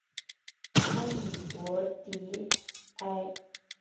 阿利博迪埃。